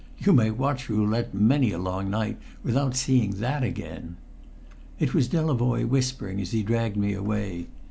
You may watch roulette many a long night without seeing that again!" It was Delavoye whispering as he dragged me away.